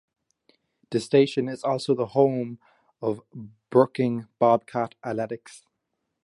The station is also the "Home" of Brooking's Bobcat athletics.